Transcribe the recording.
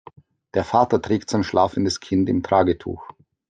Der Vater trägt sein schlafendes Kind im Tragetuch.